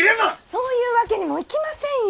そういうわけにもいきませんよ。